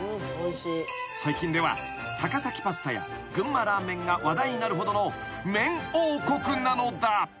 ［最近では高崎パスタや群馬ラーメンが話題になるほどの麺王国なのだ］